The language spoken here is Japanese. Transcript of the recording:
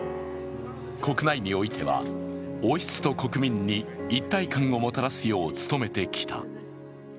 国内においては王室と国民に一体感をもたらすよう努めてきた。